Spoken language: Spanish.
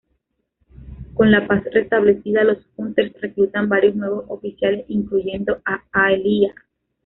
Con la paz restablecida, los Hunters reclutan varios nuevos oficiales, incluyendo a Alia.